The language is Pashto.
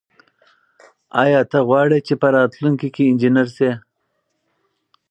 آیا ته غواړې چې په راتلونکي کې انجنیر شې؟